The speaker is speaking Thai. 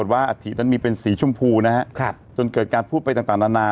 ว่าอาถินั้นมีเป็นสีชมพูนะฮะจนเกิดการพูดไปต่างนานา